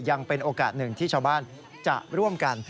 ยังเป็นโอกาสหนึ่งที่ชาวบ้านจะร่วมกัน